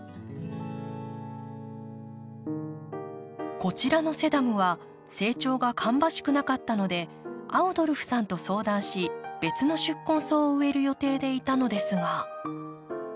こちらのセダムは成長が芳しくなかったのでアウドルフさんと相談し別の宿根草を植える予定でいたのですが。